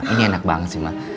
ini enak banget sih mas